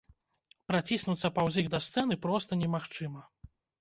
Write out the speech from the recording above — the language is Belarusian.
Праціснуцца паўз іх да сцэны проста немагчыма.